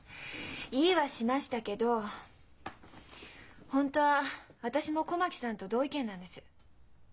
言いはしましたけど本当は私も小牧さんと同意見なんです。